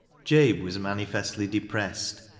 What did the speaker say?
Jabe was manifestly depressed.